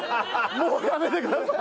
やめてください！